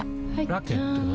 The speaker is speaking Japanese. ラケットは？